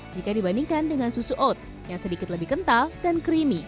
jika dibandingkan dengan susu oat yang sedikit lebih kental dan creamy